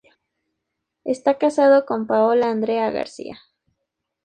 Está casado con Paola Andrea García.